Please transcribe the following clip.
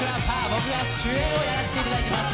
僕が主演をやらせていただきます。